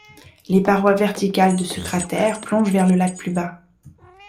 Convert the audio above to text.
Les parois verticales de ce cratère plongent vers le lac plus bas.